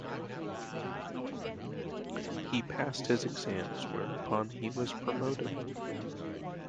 He passed his exams, whereupon he was promoted.